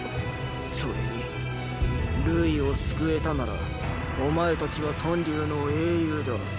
それにーー瑠衣を救えたならお前たちは屯留の英雄だ。